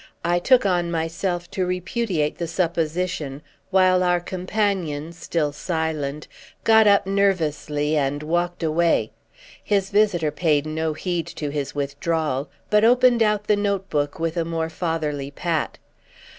I took on myself to repudiate the supposition, while our companion, still silent, got up nervously and walked away. His visitor paid no heed to his withdrawal; but opened out the note book with a more fatherly pat.